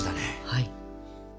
はい。